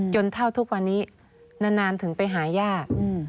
เท่าทุกวันนี้นานถึงไปหายาก